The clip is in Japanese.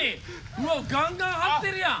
うわっガンガン張ってるやん。